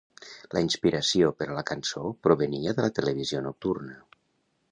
La inspiració per a la cançó provenia de la televisió nocturna.